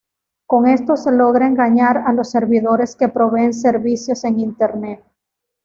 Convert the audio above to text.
Con esto se logra engañar a los servidores que proveen servicios en Internet.